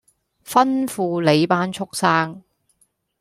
吩咐你班畜牲